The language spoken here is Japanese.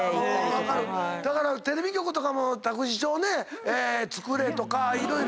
だからテレビ局とかも託児所をねつくれとか色々。